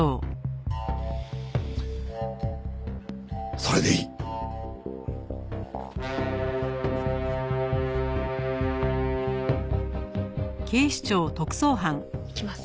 それでいい。いきます。